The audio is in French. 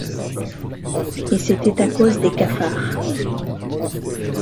Et c'était à cause des cafards.